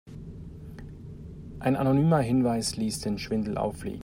Ein anonymer Hinweis ließ den Schwindel auffliegen.